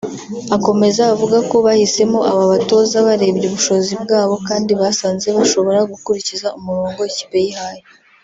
Akomeza avuga ko bahisemo aba batoza barebye ubushobozi bwabo kandi basanze bashobora gukurikiza umurongo ikipe yihaye